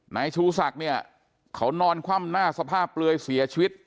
นายชูศักดิ์เนี่ยเขานอนคว่ำหน้าสภาพเปลือยเสียชีวิต